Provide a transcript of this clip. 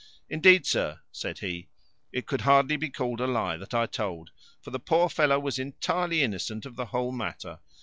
Indeed, sir," said he, "it could hardly be called a lie that I told; for the poor fellow was entirely innocent of the whole matter.